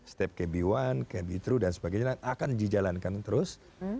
step kb satu kb tru dan sebagainya akan dijalankan terus